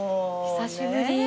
久しぶり。